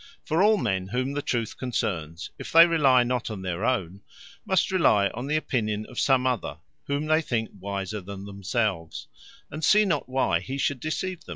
For all men whom the truth concernes, if they rely not on their own, must rely on the opinion of some other, whom they think wiser than themselves, and see not why he should deceive them.